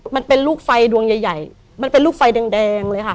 มันเป็นลูกไฟดวงใหญ่มันเป็นลูกไฟแดงเลยค่ะ